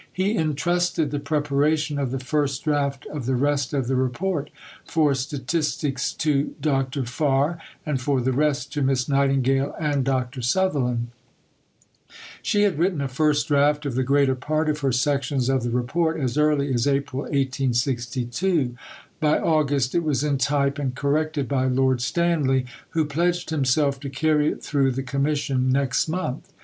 He entrusted the preparation of the first draft of the rest of the Report, for statistics to Dr. Farr, and for the rest to Miss Nightingale and Dr. Sutherland. She had written a first draft of the greater part of her sections of the Report as early as April 1862. By August it was in type and corrected by Lord Stanley, who "pledged himself to carry it through the Commission next month."